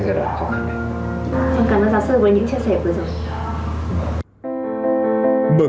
xin cảm ơn giáo sư với những chia sẻ vừa rồi